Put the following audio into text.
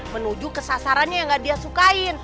menuju ke sasarannya yang gak dia sukain